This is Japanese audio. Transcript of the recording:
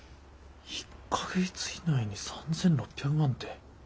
１か月以内に３，６００万って。